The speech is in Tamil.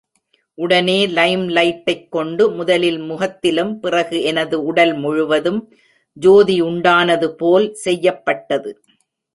உடனே லைம் லைட்டைக் கொண்டு முதலில் முகத்திலும், பிறகு எனது உடல் முழுவதும் ஜோதியுண்டானதுபோல் செய்யப்பட்டது.